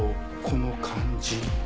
この感じ。